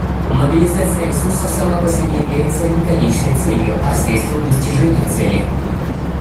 Мобилизация ресурсов сама по себе является не конечной целью, а средством достижения цели.